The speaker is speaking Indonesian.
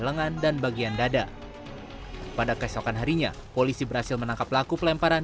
lengan dan bagian dada pada keesokan harinya polisi berhasil menangkap pelaku pelemparan